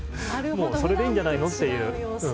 それでいいんじゃないのっていう。